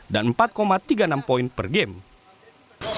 dan empat tiga puluh enam poin per game